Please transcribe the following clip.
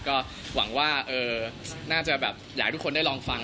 ก็หวังว่าน่าจะแบบอยากให้ทุกคนได้ลองฟัง